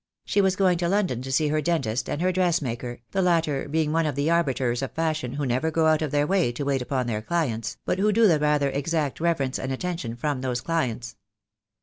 She was going to London to see her dentist, and her dressmaker, the latter being one of the arbiters of fashion who never go out of their way to wait upon their clients, but who do the rather exact reverence and attention from those clients.